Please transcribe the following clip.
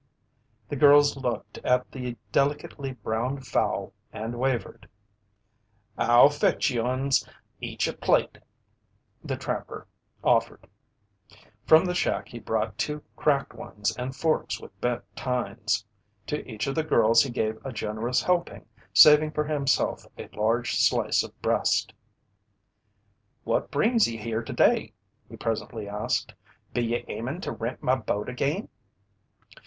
The girls looked at the delicately browned fowl and wavered. "I'll fetch you'uns each a plate," the trapper offered. From the shack he brought two cracked ones and forks with bent tines. To each of the girls he gave a generous helping, saving for himself a large slice of breast. "What brings ye here today?" he presently asked. "Be ye aimin' to rent my boat again?"